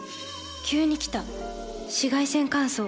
急に来た紫外線乾燥。